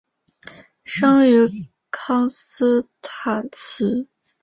生于康斯坦茨。